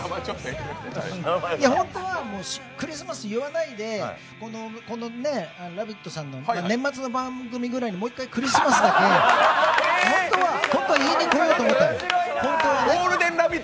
本当はクリスマス言わないで「ラヴィット！」さんの年末の番組くらいに、もう一回、クリスマスなので本当は言いにこようと思ったんです。